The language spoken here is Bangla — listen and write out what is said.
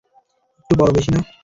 একটু বড়, বেশি না।